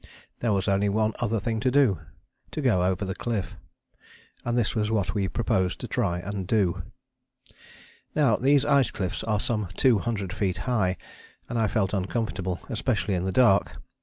There was only one other thing to do to go over the cliff. And this was what we proposed to try and do. Now these ice cliffs are some two hundred feet high, and I felt uncomfortable, especially in the dark.